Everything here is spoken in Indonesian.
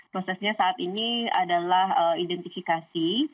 prosesnya saat ini adalah identifikasi